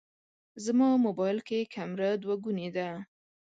زما موبایل کې کمېره دوهګونې ده.